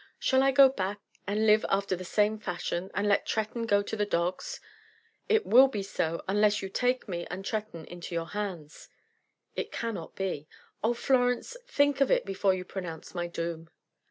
Shall I go back, and live after the same fashion, and let Tretton go to the dogs? It will be so unless you take me and Tretton into your hands." "It cannot be." "Oh, Florence! think of it before you pronounce my doom."